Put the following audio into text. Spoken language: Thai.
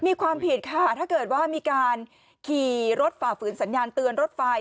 มีความผิดค่ะถ้าเกิดว่ามีการขี่รถฝ่าฝืนสัญญาณเตือนรถไฟ